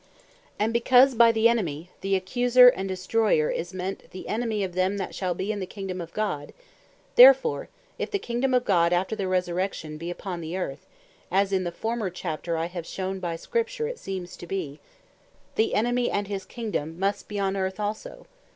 And because by the Enemy, the Accuser, and Destroyer, is meant, the Enemy of them that shall be in the Kingdome of God; therefore if the Kingdome of God after the Resurrection, bee upon the Earth, (as in the former Chapter I have shewn by Scripture it seems to be,) The Enemy, and his Kingdome must be on Earth also.